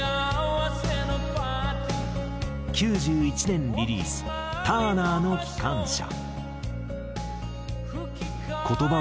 １９９１年リリース『ターナーの汽罐車』。